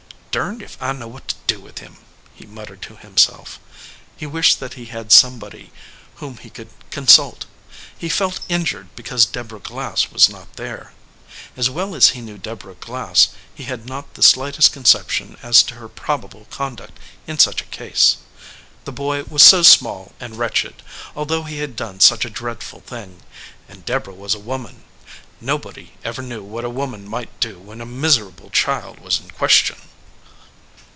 "Burned if I know what to do with him," he muttered to himself. He wished that he had some body whom he could consult. He felt injured be cause Deborah Glass was not there. As well as he knew Deborah Glass, he had not the slightest con ception as to her probable conduct in such a case. The boy was so small and wretched, although he had done such a dreadful thing, and Deborah was a woman. Nobody ever knew what a woman might do when a miserable child was in question.